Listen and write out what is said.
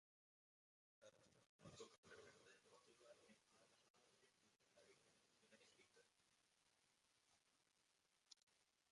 Desarrolló toda su carrera deportiva en el Al-Ahly de la Primera División de Egipto.